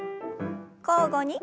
交互に。